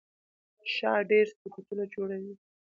شا ډېر صفتونه جوړوي.